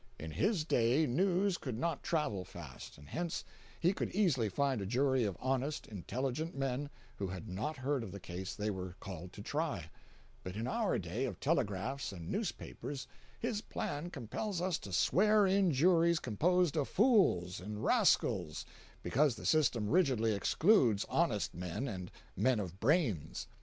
In his day news could not travel fast, and hence he could easily find a jury of honest, intelligent men who had not heard of the case they were called to try—but in our day of telegraphs and newspapers his plan compels us to swear in juries composed of fools and rascals, because the system rigidly excludes honest men and men of brains.